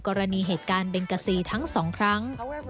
กรณีเหตุการณ์เบงกาซีทั้งสองครั้ง